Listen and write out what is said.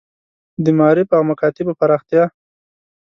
د معارف او مکاتیبو پراختیا.